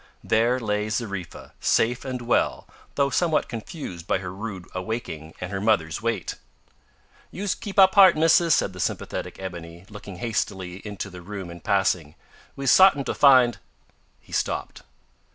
there lay Zariffa safe and well, though somewhat confused by her rude awaking and her mother's weight. "You's keep up heart, missis," said the sympathetic Ebony, looking hastily into the room in passing; "we's sartin sure to find " He stopped.